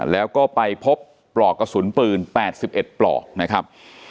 แล้วก็ไปพบปลอกกระสุนปืน๘๑ปลอกนะครับ